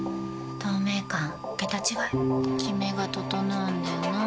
透明感桁違いキメが整うんだよな。